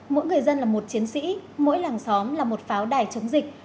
mỗi người dân là một chiến sĩ mỗi làng xóm là một pháo đài chống dịch